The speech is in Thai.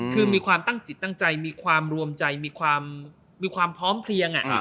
คือมีความตั้งจิตตั้งใจมีความรวมใจมีความพร้อมเพลียง